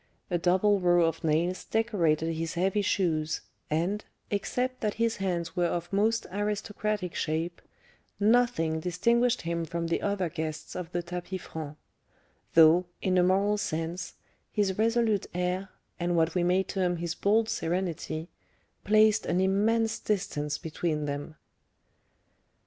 A double row of nails decorated his heavy shoes, and, except that his hands were of most aristocratic shape, nothing distinguished him from the other guests of the tapis franc; though, in a moral sense, his resolute air, and what we may term his bold serenity, placed an immense distance between them.